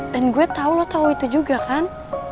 dan gue tau lo tau itu juga kan